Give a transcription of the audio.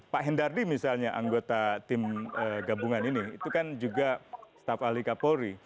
pak hendardi misalnya anggota tim gabungan ini itu kan juga staf ahli kapolri